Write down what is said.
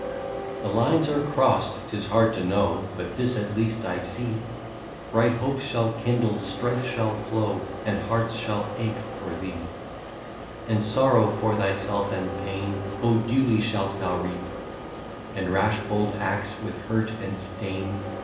*' The lines are crossed, — 't is hard to know, But this at least I see — Bright hopes shall kindle, strife shall flow, And hearts shall ache for thee ;" And sorrow for thyself and pain, — Oh ! duly shalt thou reap, — And rash bold acts with hurt and stain.